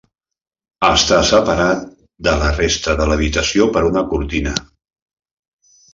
Està separat de la resta de l'habitació per una cortina.